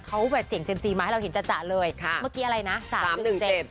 เขาแวดเสียงเซ็มซีมาให้เราเห็นจัดเลยค่ะเมื่อกี้อะไรนะสามหนึ่งเจ็ด